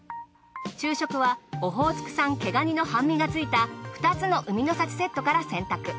昼食はオホーツク産毛ガニの半身がついた２つの海の幸セットから選択。